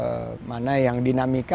masyarakat harus tahu mana yang dinamika